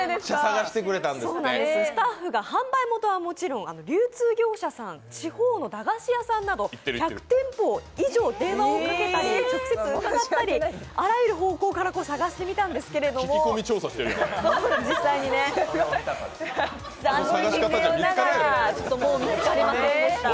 スタッフが販売元は、もちろん流通業者さん、地方の駄菓子屋さんなど１００店舗以上電話をかけたり直接伺ったり、あらゆる方向から探してみたんですけど残念ながらちょっともう見つかりませんでした。